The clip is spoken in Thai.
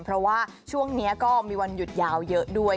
เพราะว่าช่วงนี้ก็มีวันหยุดยาวเยอะด้วย